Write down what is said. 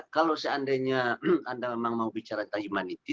jika anda memang ingin bicara tentang humanity